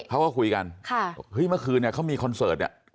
เขาก็คุยกันค่ะเฮ้ยเมื่อคืนเนี่ยเขามีคอนเสิร์ตเนี่ย